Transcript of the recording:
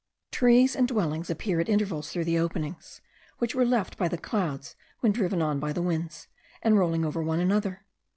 Trees and dwellings appeared at intervals through the openings, which were left by the clouds when driven on by the winds, and rolling over one another.